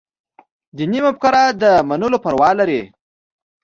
دیني مفکورو د منلو پروا لري.